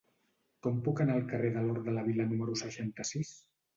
Com puc anar al carrer de l'Hort de la Vila número seixanta-sis?